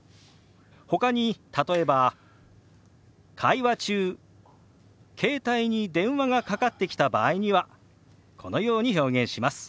ほかに例えば会話中携帯に電話がかかってきた場合にはこのように表現します。